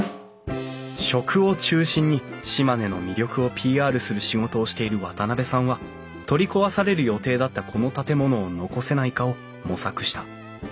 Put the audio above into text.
食を中心に島根の魅力をＰＲする仕事をしている渡部さんは取り壊される予定だったこの建物を残せないかを模索した。